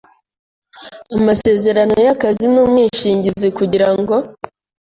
amasezerano y akazi n umwishingizi kugira ngo